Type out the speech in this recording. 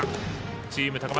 チーム高松